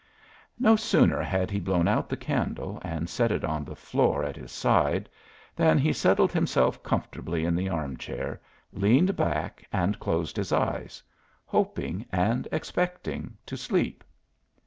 No sooner had he blown out the candle and set it on the floor at his side than he settled himself comfortably in the arm chair, leaned back and closed his eyes, hoping and expecting to sleep.